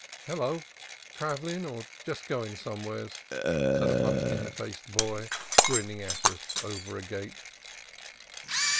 "Hello! travellin' or jest goin' somewheres?" said a pumpkin faced boy, grinning at us over a gate.